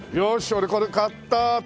俺これ買ったっと。